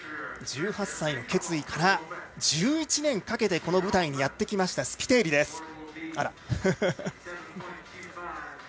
１８歳の決意から１１年かけてこの舞台にやってきたスピテーリです。